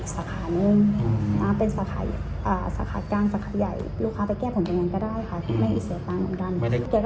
สาขานึงเป็นสถาีสาขาการสาขาใหญ่ลูกค้าแก้ผมแบบนั้นก็